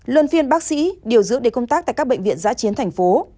luân phiên bác sĩ điều dưỡng để công tác tại các bệnh viện giã chiến thành phố